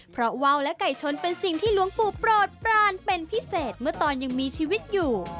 เพราะว่าวและไก่ชนเป็นสิ่งที่หลวงปู่โปรดปรานเป็นพิเศษเมื่อตอนยังมีชีวิตอยู่